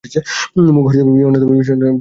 মুখ বিবর্ণ ও বিষণ্নতর হইতেছে।